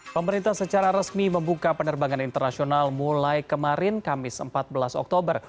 pemerintah secara resmi membuka penerbangan internasional mulai kemarin kamis empat belas oktober